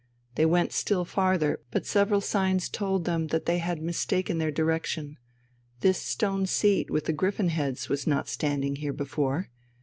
They went still farther; but several signs told them that they had mistaken their direction. This stone seat with the griffin heads was not standing here before.